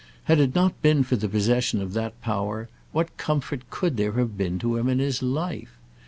Had it not been for the possession of that power, what comfort could there have been to him in his life?